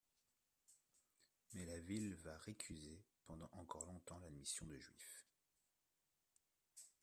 Mais la ville va récuser pendant encore longtemps l'admission de Juifs.